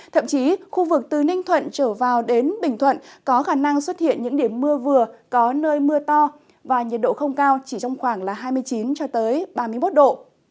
thậm chí khu vực từ ninh thuận trở vào đến bình thuận có khả năng xuất hiện những điểm mưa vừa có nơi mưa to và nhiệt độ không cao chỉ trong khoảng hai mươi chín ba mươi một độ